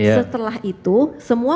setelah itu semua